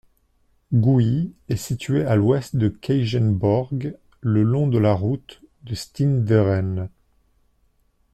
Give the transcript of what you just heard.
Gooi est situé à l'ouest de Keijenborg, le long de la route de Steenderen.